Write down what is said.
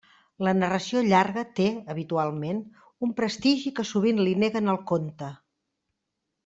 La narració llarga té, habitualment, un prestigi que sovint li neguen al conte.